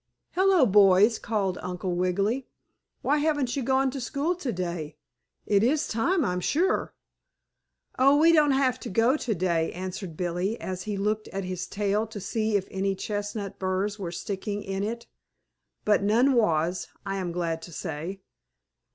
"Hello, boys!" called Uncle Wiggily. "Why haven't you gone to school today? It is time, I'm sure." "Oh, we don't have to go today," answered Billie, as he looked at his tail to see if any chestnut burrs were sticking in it. But none was, I am glad to say.